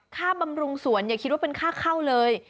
บำรุงสวนอย่าคิดว่าเป็นค่าเข้าเลย